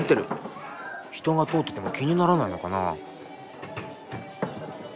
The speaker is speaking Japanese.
人が通ってても気にならないのかな。